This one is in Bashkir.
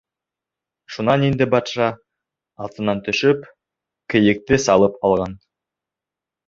Шунан инде батша, атынан төшөп, кейекте салып алған.